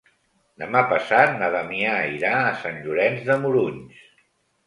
Demà passat na Damià irà a Sant Llorenç de Morunys.